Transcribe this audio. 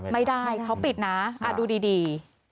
ไม่ได้เขาปิดนะดูดี